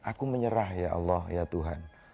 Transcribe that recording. aku menyerah ya allah ya tuhan